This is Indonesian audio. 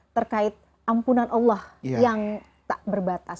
terkait ampunan allah yang tak berbatas